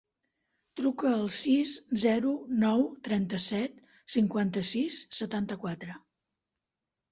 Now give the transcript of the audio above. Truca al sis, zero, nou, trenta-set, cinquanta-sis, setanta-quatre.